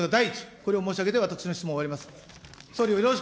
これを申し上げて、私の質問を終わります。